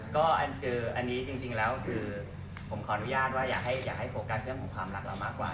ก็อันนี้จริงแล้วคือผมขออนุญาตว่าอยากให้โฟกัสเรื่องของความรักเรามากกว่า